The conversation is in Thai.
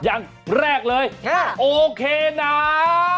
อย่างแรกเลยโอเคหนา